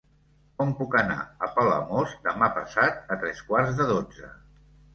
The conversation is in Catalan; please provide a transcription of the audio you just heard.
Com puc anar a Palamós demà passat a tres quarts de dotze?